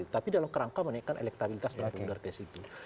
tapi dalam kerangka menaikkan elektabilitas terhadap budaya